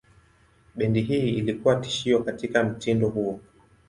Bendi hii ilikuwa tishio katika mtindo huo.